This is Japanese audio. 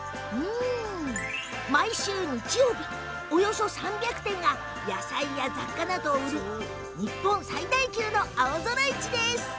毎週日曜日、およそ３００店が野菜や雑貨などを売る日本最大級の青空市です。